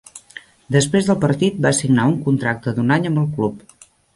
Després del partit, va signar un contracte d'un any amb el club.